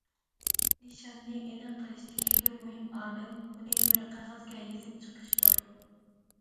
نىشاننى ئېنىق قىلىشتىكى بىر مۇھىم ئامىل، ئۇنى بىر قەغەزگە يېزىپ چىقىشتۇر.